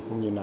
cũng như là